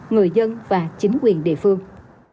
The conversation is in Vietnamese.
người dân và chính quyền địa phương